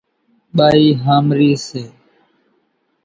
ٻائِي ۿامرِي سي۔